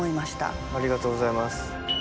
ありがとうございます。